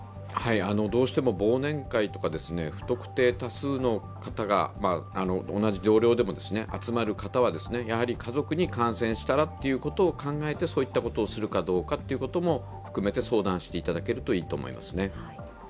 どうしても忘年会とか不特定多数の方が同じ同僚でも集まる方は家族に感染したらということを考えてそういったことをするかどうかということも含めて相談していただけるといいと思います。